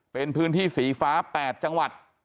เป็นพื้นที่สีฟ้า๘จังหวัด